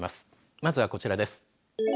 まずはこちらです。